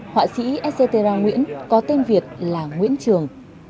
họa sĩ ezzetera nguyễn có tên việt là nguyễn trường